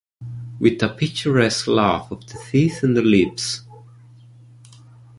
With a picturesque laugh of the teeth and the lips.